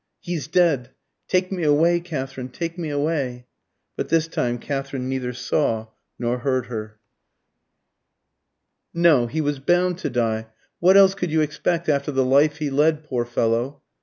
"He's dead! Take me away, Katherine take me away!" But this time Katherine neither saw nor heard her. "No; he was bound to die. What else could you expect after the life he led, poor fellow?"